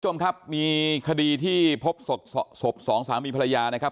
คุณผู้ชมครับมีคดีที่พบศพสองสามีภรรยานะครับ